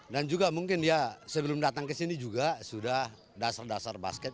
dan juga mungkin dia sebelum datang ke sini juga sudah dasar dasar basket